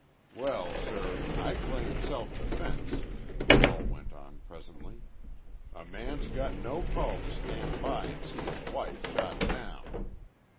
"Well, sir, I claim self defense," Hull went on presently. "A man's got no call to stand by an' see his wife shot down.